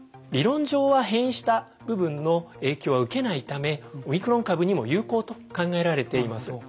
理論上は変異した部分の影響は受けないためオミクロン株にも有効と考えられています。